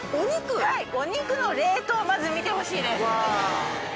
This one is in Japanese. はいお肉の冷凍をまず見てほしいです。